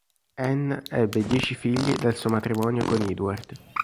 Anne ebbe dieci figli dal suo matrimonio con Edward.